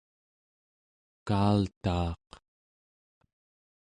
kaal'taaq